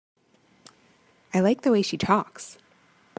I like the way she talks.